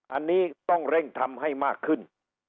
อันนี้ต้องเร่งทำให้มากขึ้น